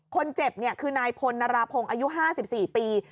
คนเจ็บคือนายพลนราพงศ์อายุ๕๔ปี